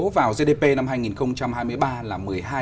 vào gdp năm hai nghìn hai mươi ba là